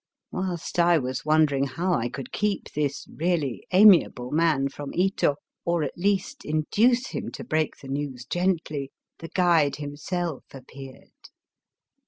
Whilst I was wondering how I could keep this really amiahle man from Ito, or at least induce him to break the news gently, the guide himself appeared.